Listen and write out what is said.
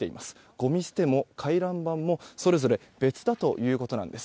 ごみ捨ても回覧板もそれぞれ別だということなんです。